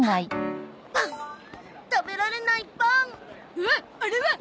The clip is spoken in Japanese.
おっあれは！